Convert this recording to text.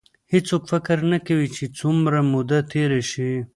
هېڅوک فکر نه کوي چې څومره موده تېره شي.